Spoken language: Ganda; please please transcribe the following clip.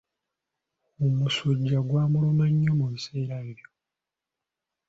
Omusujja gwamuluma nnyo mu biseera ebyo.